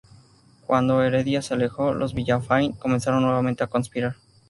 Cuando Heredia se alejó, los Villafañe comenzaron nuevamente a conspirar.